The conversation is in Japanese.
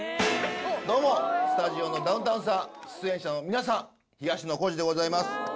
どうも、スタジオのダウンタウンさん、出演者の皆さん、東野幸治でございます。